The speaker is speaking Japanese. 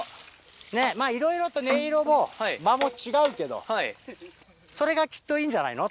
まぁいろいろと音色も間も違うけどそれがきっといいんじゃないの。